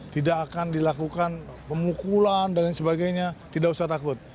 tidak akan dilakukan pemukulan dan lain sebagainya tidak usah takut